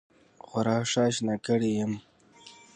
خورا ښه آشنا کړی یم.